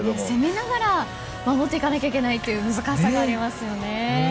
攻めながら守っていかなきゃいけないという難しさがありますよね。